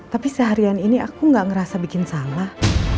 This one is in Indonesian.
tapi seharian ini aku gak ngerasa bikin salah